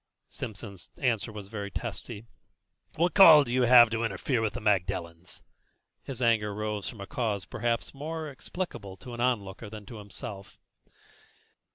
Simpson's answer was very testy. "What call have you to interfere with the Magdalens?" His anger rose from a cause perhaps more explicable to an onlooker than to himself.